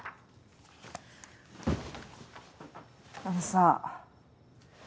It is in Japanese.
あのさ。